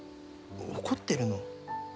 怒ってるの？